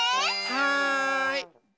はい。